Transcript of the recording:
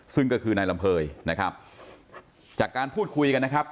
ซึ่งก็คือนายลำเภยนะครับจากการพูดคุยกันนะครับ